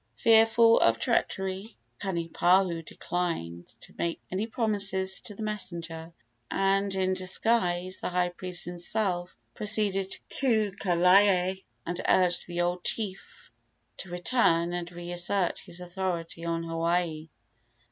Fearful of treachery, Kanipahu declined to make any promises to the messenger, and, in disguise, the high priest himself proceeded to Kalae and urged the old chief to return and reassert his authority on Hawaii.